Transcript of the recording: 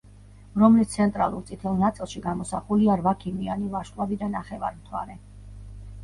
რომლის ცენტრალურ წითელ ნაწილში გამოსახულია რვაქიმიანი ვარსკვლავი და ნახევარმთვარე.